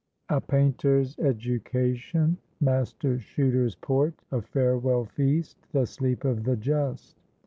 A PAINTER'S EDUCATION.—MASTER CHUTER'S PORT.—A FAREWELL FEAST.—THE SLEEP OF THE JUST.